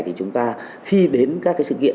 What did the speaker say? thì chúng ta khi đến các sự kiện